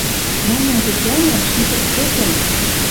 Мӓмнӓн тетянӓм — ши пӹрцӹкӹм —